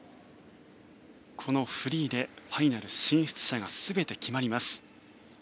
このフリーでファイナル進出者が全て決まります。